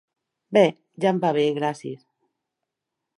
Bé, ja em va bé, gràcies.